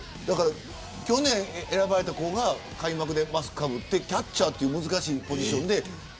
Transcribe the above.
去年、選ばれた子が開幕でマスクかぶってキャッチャーという難しいポジションで。